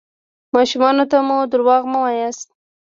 ماشومانو ته مو درواغ مه وایاست.